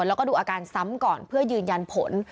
แล้วก็ดูอาการซ้ำก่อนเพื่อยืนยันผล